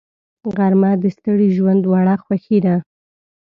غرمه د ستړي ژوند وړه خوښي ده